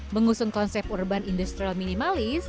mengusung konsep urban industrial minimalis